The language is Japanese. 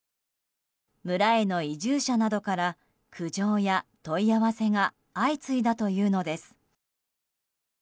村への移住者などから苦情や問い合わせが相次いだというのです。